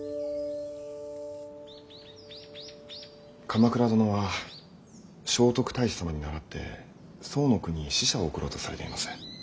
鎌倉殿は聖徳太子様に倣って宋の国へ使者を送ろうとされています。